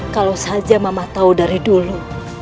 kalau saja mama tahu dari dulu